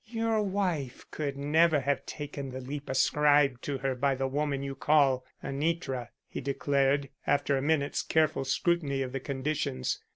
"Your wife could never have taken the leap ascribed to her by the woman you call Anitra," he declared, after a minute's careful scrutiny of the conditions.